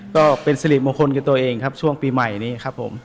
ก็เป็นสิริมงคลกับตัวเองครับช่วงปีใหม่นี้ครับผม